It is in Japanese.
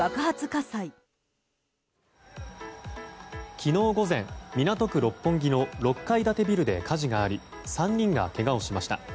昨日午前、港区六本木の６階建てビルの２階で火事があり３人がけがをしました。